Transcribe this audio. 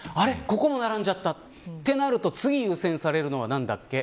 ここも並んじゃったとなると次に優先されるのは何だっけ。